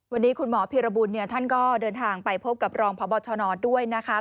วันนี้คุณหมอพีรบุญเนี่ยท่านก็เดินทางไปพบกับรองพบชนด้วยนะคะ